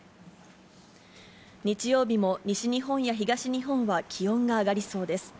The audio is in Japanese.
日曜日も西日本や東日本は気温が上がりそうです。